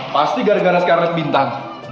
pasti gara gara sekarang bintang